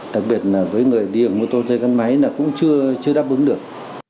đặc biệt là với người đi ở mô tô chơi gắn máy là cũng chưa đáp ứng được